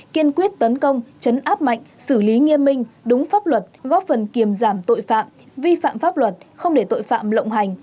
kiên quyết tấn công chấn áp mạnh xử lý nghiêm minh đúng pháp luật góp phần kiềm giảm tội phạm vi phạm pháp luật không để tội phạm lộng hành